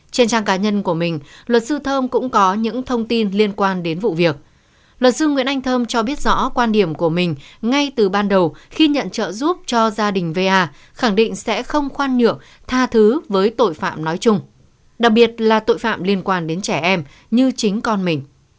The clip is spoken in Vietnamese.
trên trang cá nhân của mình luật sư thơm cũng có những thông tin liên quan đến vụ việc luật sư nguyễn anh thơm cho biết rõ quan điểm của mình ngay từ ban đầu khi nhận trợ giúp cho gia đình va khẳng định sẽ không khoan nhượng tha thứ với tội phạm nói chung đặc biệt là tội phạm liên quan đến trẻ em như chính con mình